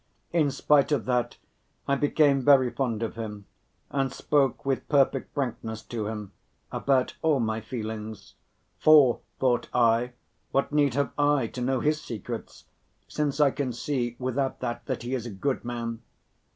In spite of that I became very fond of him and spoke with perfect frankness to him about all my feelings; "for," thought I, "what need have I to know his secrets, since I can see without that that he is a good man?